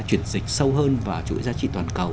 chuyển dịch sâu hơn vào chuỗi giá trị toàn cầu